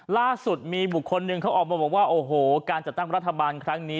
ล่าสุดมีบุคคลหนึ่งเขาออกมาบอกว่าโอ้โหการจัดตั้งรัฐบาลครั้งนี้